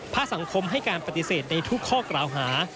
ถ้าสังคมให้การปฏิเสธในทุกข้อกล่าวหา